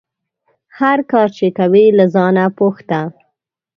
هر کار چې کوې له ځانه پوښته